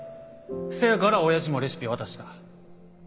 せやからおやじもレシピ渡した。